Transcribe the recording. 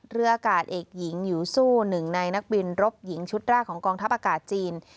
อากาศเอกหญิงหิวสู้หนึ่งในนักบินรบหญิงชุดแรกของกองทัพอากาศจีน